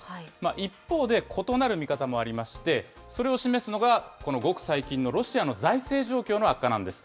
一方で、異なる見方もありまして、それを示すのが、このごく最近のロシアの財政状況の悪化なんです。